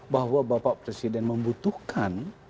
bahwa bapak presiden membutuhkan